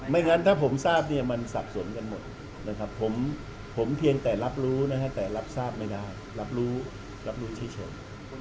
งั้นถ้าผมทราบเนี่ยมันสับสนกันหมดนะครับผมเพียงแต่รับรู้นะฮะแต่รับทราบไม่ได้รับรู้รับรู้เฉย